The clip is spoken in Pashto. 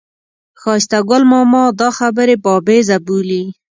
ښایسته ګل ماما دا خبرې بابیزه بولي.